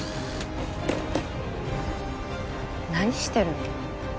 何してるの？